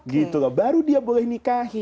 gitu loh baru dia boleh nikahi